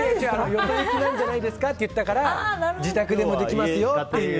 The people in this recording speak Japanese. よそ向きなんじゃないですかって言ったから自宅でもできますよと。